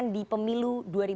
di pemilu dua ribu dua puluh